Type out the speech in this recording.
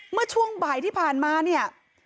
เมื่อช่วงบ่ายที่ผ่านมาเนี่ย